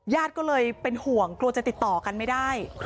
ญาติก็เลยเป็นห่วงกลัวจะติดต่อกันไม่ได้